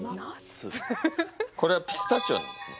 これはピスタチオですね。